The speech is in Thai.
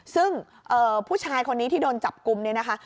ซึ่งผู้ชายคนนี้ที่โดนจับกลุ่มเนี่ยนะคะ